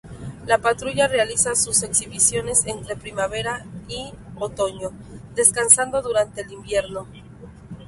La patrulla realiza sus exhibiciones entre primavera y otoño, descansando durante el invierno.